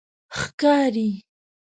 ښکاری